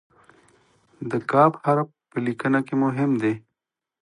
د "ک" حرف په لیکنه کې مهم دی.